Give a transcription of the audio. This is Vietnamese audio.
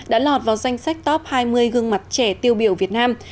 đã lọt vào danh sách top hai mươi gương mặt trẻ tiêu biểu việt nam